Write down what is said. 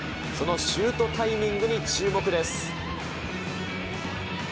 そのシュートタイミングに注目です。